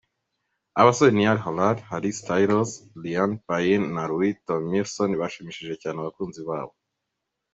Abasore Niall Horan, Harry Styles, Liam Payne na Louis Tomlinson bashimishije cyane abakunzi babo.